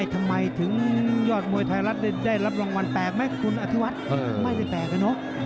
ทำไมถึงยอดมวยไทยรัฐได้รับรางวัลแปลกไหมคุณอธิวัฒน์ไม่ได้แตกอะเนาะ